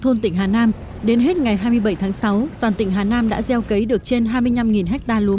thôn tỉnh hà nam đến hết ngày hai mươi bảy tháng sáu toàn tỉnh hà nam đã gieo cấy được trên hai mươi năm ha lúa